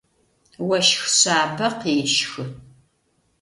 Ощх шъабэ къещхы.